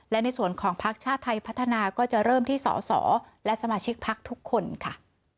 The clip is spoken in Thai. และในส่วนของพักชาติไทยพัฒนาก็จะเริ่มที่สอสอและสมาชิกพักทุกคนค่ะ